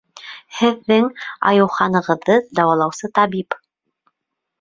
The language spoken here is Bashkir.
Һеҙҙең Айыуханығыҙҙы дауалаусы табип.